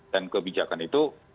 dan kebijakan itu